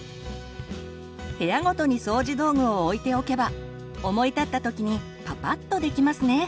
部屋ごとに掃除道具を置いておけば思い立ったときにパパッとできますね。